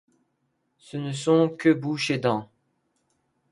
Ce ne sont que bouche et dents.